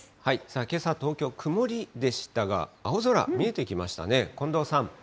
けさ、東京、曇りでしたが、青空見えてきましたね、近藤さん。